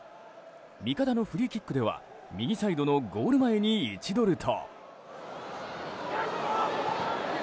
味方のフリーキックでは右サイドのゴール前に位置取ると。